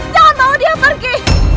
jangan bawa dia pergi